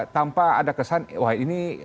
tanpa ada kesan wah ini